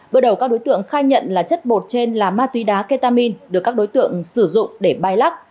bước đầu các đối tượng khai nhận là chất bột trên là ma túy đá ketamin được các đối tượng sử dụng để bay lắc